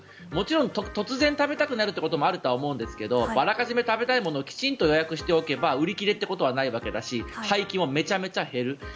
もちろん突然食べたくなることもあると思うんですがあらかじめ食べたいものをきちんと予約しておけば売り切れってことはないわけだし廃棄もめちゃめちゃ減る。